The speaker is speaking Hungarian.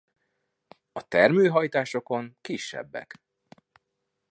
A termő hajtásokon kisebbek.